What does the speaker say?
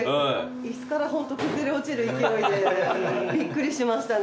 椅子から崩れ落ちる勢いでびっくりしましたね。